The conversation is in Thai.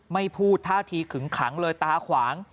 ไม่พูดท่าทีขึงขังเลยตาขวาง